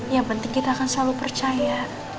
yang penting kita akan selalu percaya